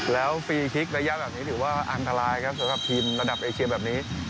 แล้วฟรีคลิกระยะแบบนี้ถือว่าอันตรายครับสำหรับทีมระดับเอเชียแบบนี้